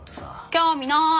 興味なーい。